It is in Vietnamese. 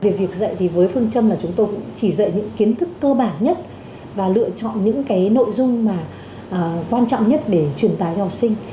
về việc dạy thì với phương châm là chúng tôi cũng chỉ dạy những kiến thức cơ bản nhất và lựa chọn những cái nội dung mà quan trọng nhất để truyền tài cho học sinh